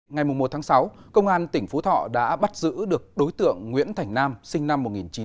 ngày một sáu công an tỉnh phú thọ đã bắt giữ được đối tượng nguyễn thành nam sinh năm một nghìn chín trăm tám mươi